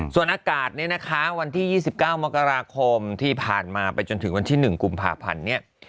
ส่วนอากาศเนี่ยนะคะวันที่๒๙มกราคมที่ผ่านมาไปจนถึงวันที่๑กุมภาพันธ์เนี่ย